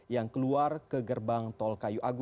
yang keluar ke gerbang tol